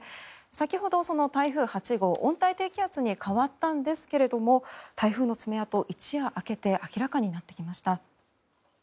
先ほど、その台風８号温帯低気圧に変わったんですが台風の爪痕、一夜明けて明らかになってきました。